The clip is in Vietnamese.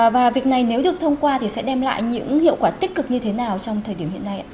và việc này nếu được thông qua thì sẽ đem lại những hiệu quả tích cực như thế nào trong thời điểm hiện nay ạ